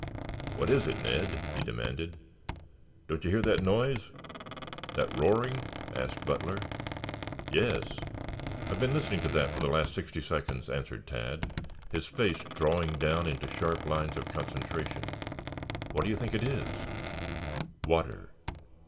"What is it, Ned?" he demanded. "Don't you hear that noise?" "That roaring?" asked Butler. "Yes." "I've been listening to that for the last sixty seconds," answered Tad, his face drawing down into sharp lines of concentration. "What do you think it is?" "Water."